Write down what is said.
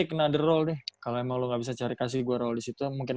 oke gue take another role deh kalau emang lu nggak bisa cari kasih gua roll di situ mungkin